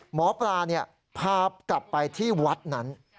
หมอปลาพากลับไปที่วัดนั้น